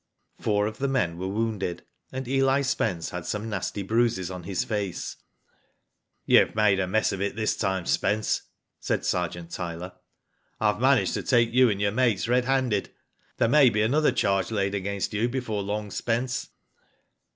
Four of the men were wounded, and Eli Spence had some nasty bruises on his face. You've made a mess of it this time, Spence," said Sergeant Tyler. "I've managed to take you and your mates red handed. There may be another charge laid against you before long, Spence."